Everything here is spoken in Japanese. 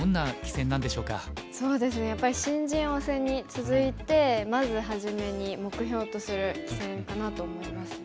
そうですねやっぱり新人王戦に続いてまず初めに目標とする棋戦かなと思いますね。